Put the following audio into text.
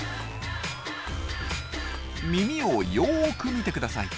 耳をよく見てください。